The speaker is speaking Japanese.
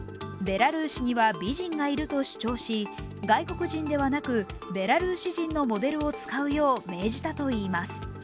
ベラルーシには美人がいると主張し、外国人ではなく、ベラルーシ人のモデルを使うよう命じたといいます。